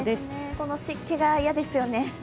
この湿気が嫌ですよね。